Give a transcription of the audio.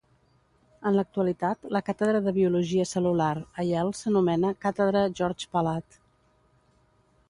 En l'actualitat, la Càtedra de Biologia cel·lular a Yale s'anomena "Càtedra George Palade".